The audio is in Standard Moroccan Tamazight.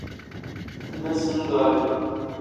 ⵉⵎⴰⵙⵙⵏ ⵏ ⵜⵖⵔⵉ.